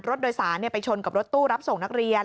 รถโดยสารไปชนกับรถตู้รับส่งนักเรียน